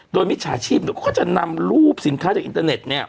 โดยวิชาชีพก็จะนำรูปสินค้าจากอินเตอร์เน็ต